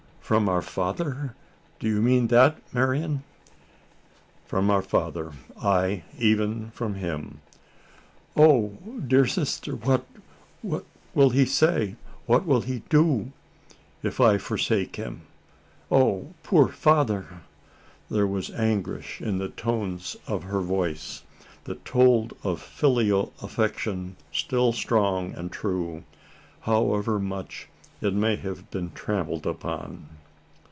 "From our father? Do you mean that, Marian?" "From our father ay, even from him!" "O dear sister! what will he say? what will he do, if I forsake him? Our poor father! " There was anguish in the tones of her voice, that told of filial affection still strong and true, however much it may have been trampled upon.